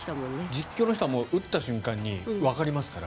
実況の人は打った瞬間にわかりますから。